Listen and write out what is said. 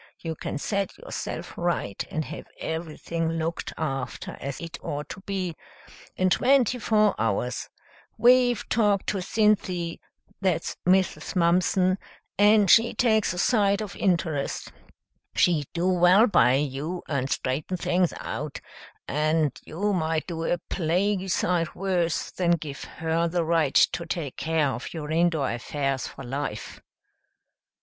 You can set yourself right and have everything looked after as it ought to be, in twenty four hours. We've talked to Cynthy that's Mrs. Mumpson and she takes a sight of interest. She'd do well by you and straighten things out, and you might do a plaguey sight worse than give her the right to take care of your indoor affairs for life."